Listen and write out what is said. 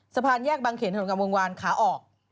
สะพานแยกบางเขนถนนกับวงวานขาออก